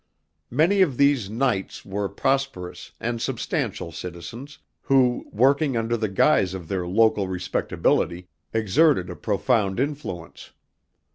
Many of these "knights" were prosperous and substantial citizens who, working under the guise of their local respectability, exerted a profound influence.